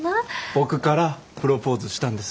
僕からプロポーズしたんです。